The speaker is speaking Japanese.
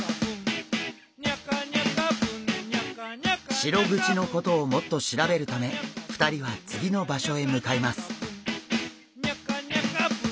シログチのことをもっと調べるため２人は次の場所へ向かいます。